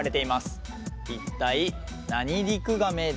一体何リクガメでしょう？